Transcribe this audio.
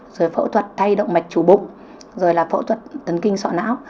rồi phẫu thuật thay động mạch chủ bụng rồi là phẫu thuật tấn kinh sọ não